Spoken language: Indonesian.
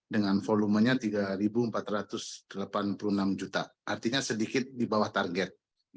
dengan volumenya tiga empat ratus delapan puluh enam juta artinya sedikit di bawah target